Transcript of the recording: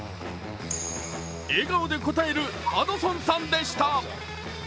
笑顔で応えるハドソンさんでした。